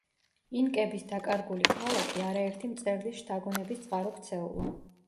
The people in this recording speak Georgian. ინკების დაკარგული ქალაქი არაერთი მწერლის შთაგონების წყარო ქცეულა.